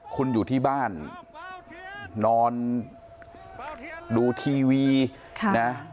คุณอยู่ที่บ้านนอนดูทีวีนะ